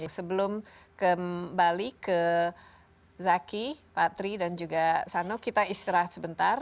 sebelum kembali ke zaki pak tri dan juga sano kita istirahat sebentar